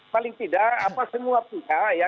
paling tidak apa semua pihak ya